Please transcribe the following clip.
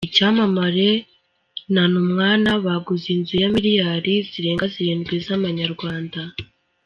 Icyamamare na numwana baguze inzu ya miliyari zirenga zirindwi z’Amanyarwanda